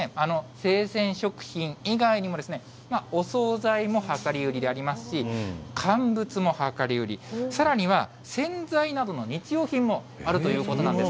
生鮮食品以外にも、お総菜も量り売りでありますし、乾物も量り売り、さらには、洗剤などの日用品もあるということなんです。